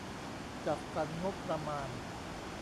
จัดสรรงบประมาณ